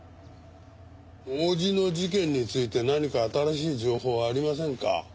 王子の事件について何か新しい情報はありませんか？